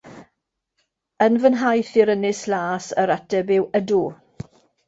Yn fy nhaith i'r Ynys Las, yr ateb yw ydw.